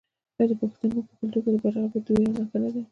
آیا د پښتنو په کلتور کې د بیرغ رپیدل د ویاړ نښه نه ده؟